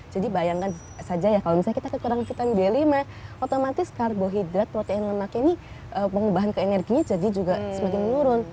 jadi bayangkan saja ya kalau misalnya kita kekurangan vitamin b lima otomatis karbohidrat protein lemak ini pengubahan ke energinya jadi juga semakin menurun